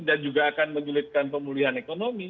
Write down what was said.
kita akan menjulitkan pemulihan ekonomi